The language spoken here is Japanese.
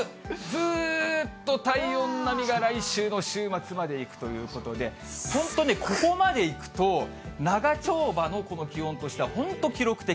ずーっと体温並みが来週の週末までいくということで、本当ね、ここまでいくと、長丁場のこの気温としては、本当、記録的。